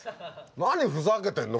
何ふざけてんの？